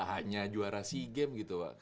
hanya juara sea games gitu pak